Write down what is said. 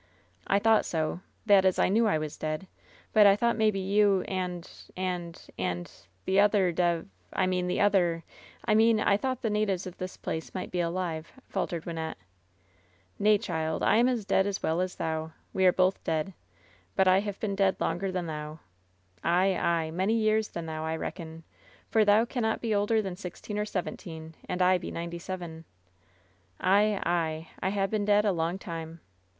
"I thou/a;ht so; that is, I knew I was dead. But I thought maybe you and— and — and — ^the other dev — I mean the other — ^I mean I thought the natives of this place might be alive," faltered Wynnette. "Nay, child, I am dead as well as thou. We are both dead. But I have been dead longer than ihoa ! Ay, ay, many years than thou, I reckon ; for thou cannot be older than sixteen or seventeen, and I be ninety seven. Ay, ay, I ha' been dead a long time."